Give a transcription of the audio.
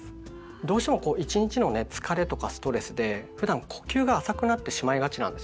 どうしてもこう一日のね疲れとかストレスでふだん呼吸が浅くなってしまいがちなんですよね。